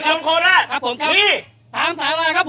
จงโคราชครับผมครับพี่ถามถามแล้วครับผม